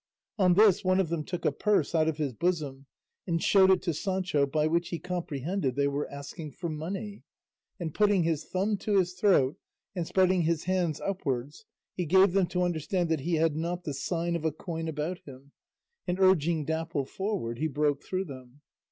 On this one of them took a purse out of his bosom and showed it to Sancho, by which he comprehended they were asking for money, and putting his thumb to his throat and spreading his hand upwards he gave them to understand that he had not the sign of a coin about him, and urging Dapple forward he broke through them.